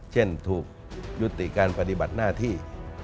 เช่นถูกยุติการพฤติบรรทนาที่